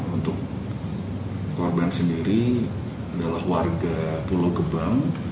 untuk korban sendiri adalah warga pulau gebang